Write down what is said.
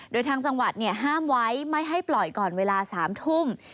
โดยทางจังหวัดห้ามไว้ไม่ให้ปล่อยก่อนเวลา๓ทุ่ม